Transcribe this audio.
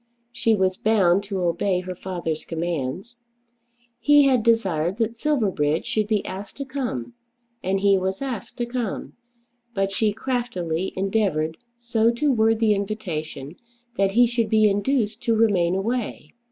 She was bound to obey her father's commands. He had desired that Silverbridge should be asked to come, and he was asked to come. But she craftily endeavoured so to word the invitation that he should be induced to remain away.